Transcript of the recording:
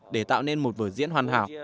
để tạo nên một vợ diễn hoàn hảo